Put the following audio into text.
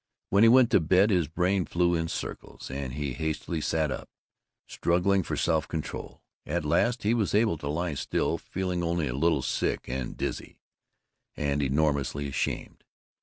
When he went to bed his brain flew in circles, and he hastily sat up, struggling for self control. At last he was able to lie still, feeling only a little sick and dizzy and enormously ashamed.